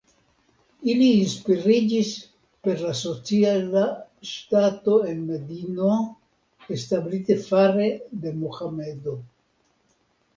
Ili inspiriĝis per la sociala ŝtato en Medino establita fare de Mohamedo.